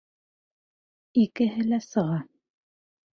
Икеһе лә сыға!